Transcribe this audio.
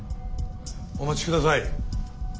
お待ちください。